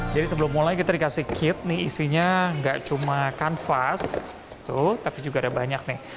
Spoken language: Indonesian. jadi sebelum mulai kita dikasih kit isinya tidak cuma kanvas tapi juga ada banyak